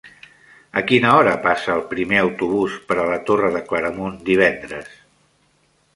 A quina hora passa el primer autobús per la Torre de Claramunt divendres?